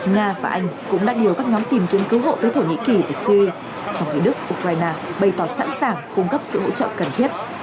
nga và anh cũng đã điều các nhóm tìm kiếm cứu hộ tới thổ nhĩ kỳ và syri trong khi đức ukraine bày tỏ sẵn sàng cung cấp sự hỗ trợ cần thiết